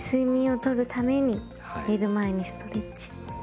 寝る前にストレッチ。